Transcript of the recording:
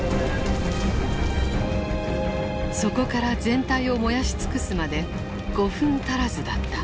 そこから全体を燃やし尽くすまで５分足らずだった。